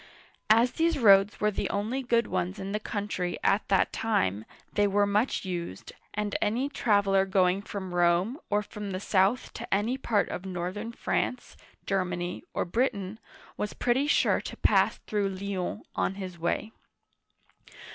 As these roads were the only good ones in the country at that time, they were much used, and any traveler going from Rome, or from the south to any part of northern France, Germany, or Britain, was pretty sure to pass through Lyons on his way.